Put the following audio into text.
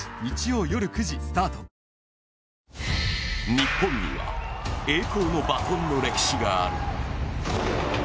日本には栄光のバトンの歴史がある。